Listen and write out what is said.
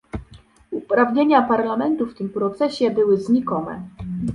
Uprawnienia Parlamentu w tym procesie były znikome